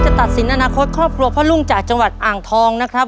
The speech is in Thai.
ตัดสินอนาคตครอบครัวพ่อลุงจากจังหวัดอ่างทองนะครับ